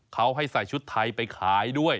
เขาให้ใส่ชุดไทยไปขายด้วย